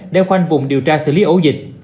để khoanh vùng điều tra xử lý ổ dịch